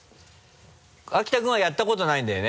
秋田君はやったことないんだよね？